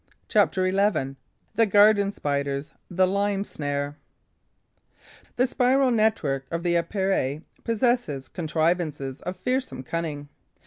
CHAPTER XI: THE GARDEN SPIDERS: THE LIME SNARE The spiral network of the Epeirae possesses contrivances of fearsome cunning.